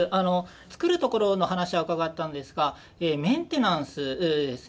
つくるところの話は伺ったんですがメンテナンスですね。